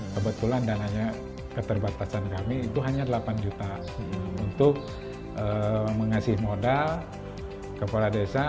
kebetulan dananya keterbatasan kami itu hanya delapan juta untuk mengasih modal kepala desa